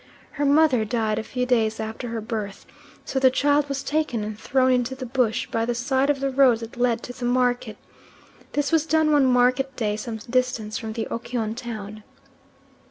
Her mother died a few days after her birth, so the child was taken and thrown into the bush, by the side of the road that led to the market. This was done one market day some distance from the Okyon town.